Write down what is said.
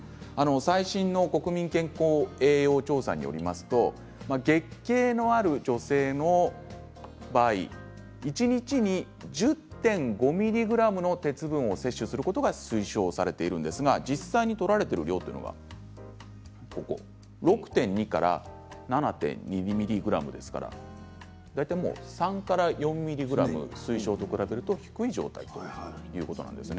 最新の国民健康・栄養調査によりますと月経のある女性の場合一日に１０．５ｍｇの鉄分を摂取することが推奨されているんですが実際にとられている量というのが６．２から７．２ｍｇですから大体３から４ｍｇ推奨と比べると低い状態ということなんです。